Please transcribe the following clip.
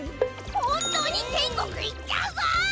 本当に天国行っちゃうぞ！